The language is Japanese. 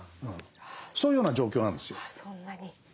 そういうような状況なんですよ。